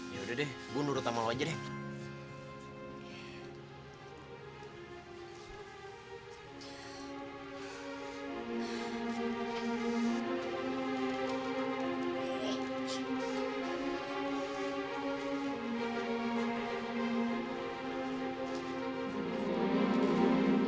ya udah deh gue nurut sama lo aja deh